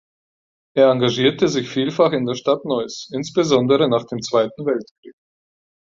Er engagierte sich vielfach in der Stadt Neuss, insbesondere nach dem Zweiten Weltkrieg.